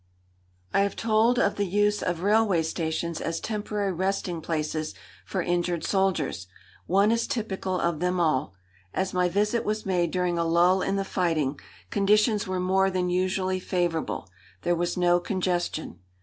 I have told of the use of railway stations as temporary resting places for injured soldiers. One is typical of them all. As my visit was made during a lull in the fighting, conditions were more than usually favourable. There was no congestion.